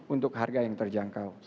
untuk harga yang terjangkau